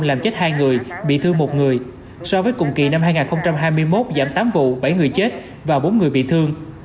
làm chết hai người bị thương một người so với cùng kỳ năm hai nghìn hai mươi một giảm tám vụ bảy người chết và bốn người bị thương